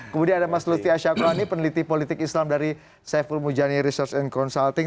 kemudian ada mas luthi asyakroni peneliti politik islam dari saiful mujani research and consulting